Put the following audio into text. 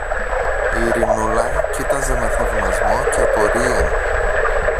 Η Ειρηνούλα κοίταζε με θαυμασμό και απορία.